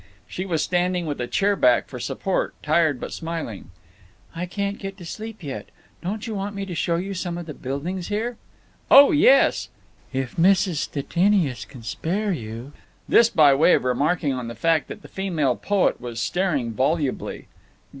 She was standing with a chair back for support, tired but smiling. "I can't get to sleep yet. Don't you want me to show you some of the buildings here?" "Oh yes!" "If Mrs. Stettinius can spare you!" This by way of remarking on the fact that the female poet was staring volubly.